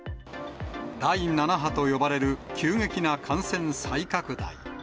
第７波と呼ばれる急激な感染再拡大。